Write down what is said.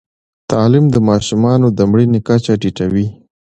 تعلیم د ماشومانو د مړینې کچه ټیټوي.